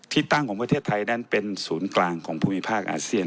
ที่ตั้งของประเทศไทยนั้นเป็นศูนย์กลางของภูมิภาคอาเซียน